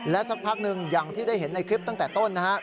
สักพักหนึ่งอย่างที่ได้เห็นในคลิปตั้งแต่ต้นนะครับ